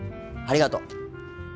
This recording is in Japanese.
ありがとう。